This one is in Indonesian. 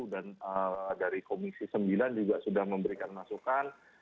dan dari komisi sembilan juga sudah memberikan masukan